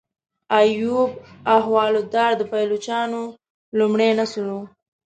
ایوب احوالدار د پایلوچانو لومړی نسل و.